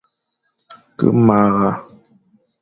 Ke mara,